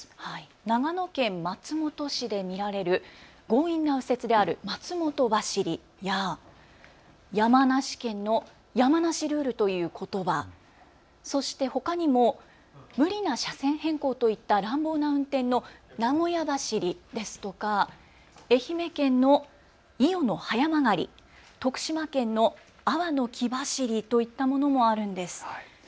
長野県松本市で見られる強引な右折である松本走りや山梨県の山梨ルールということば、そしてほかにも無理な車線変更といった乱暴な運転の名古屋走りですとか愛媛県の伊予の早曲がり、徳島県の阿波の黄走りといったものもあるんです。